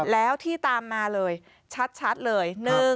แล้วที่ตามมาเลยชัดเลย